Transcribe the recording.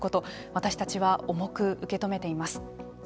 私たちは重く受け止めています。